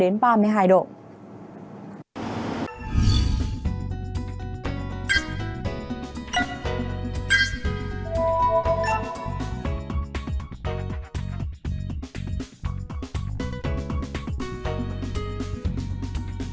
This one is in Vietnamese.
nhiệt độ đến ba mươi hai độ